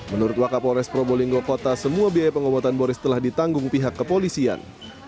menurut wakapolres probolinggo kota semua biaya pengobatan boris telah ditanggung pihak kepolisian